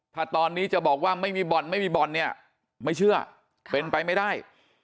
ถ้าตอนนี้จะบอกว่าไม่มีบ่อนไม่มีบ่อนเนี่ยไม่เชื่อเป็นไปไม่ได้